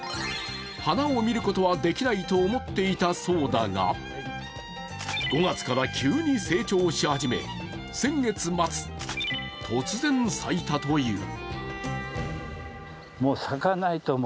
花を見ることはできないと思っていたそうだが５月から急に成長し始め先月末、突然、咲いたという。